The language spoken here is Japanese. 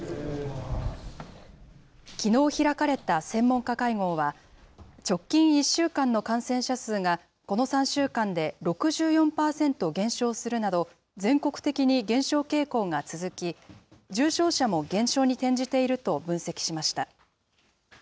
きのう開かれた専門家会合は、直近１週間の感染者数がこの３週間で６４％減少するなど、全国的に減少傾向が続き、重症者も減少に転じていると分析しました。